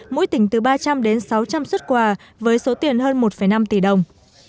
mỗi tỉnh từ ba trăm linh đến sáu trăm linh xuất quà với số tiền hơn một năm tỷ đồng